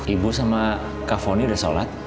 ibu sama kak foni udah sholat